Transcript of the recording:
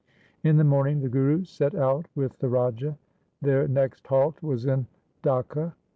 In the morning the Guru set out with the Raja. Their next halt was in Dhaka.